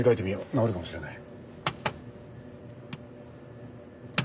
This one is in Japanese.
直るかもしれない。